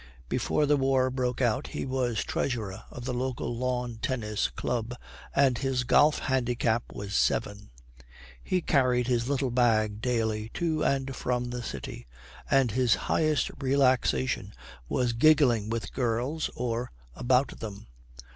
Before the war broke out he was treasurer of the local lawn tennis club, and his golf handicap was seven; he carried his little bag daily to and from the city, and his highest relaxation was giggling with girls or about them.